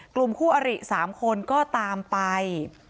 กลุ่มคู่อริ๓คนก็ตามไป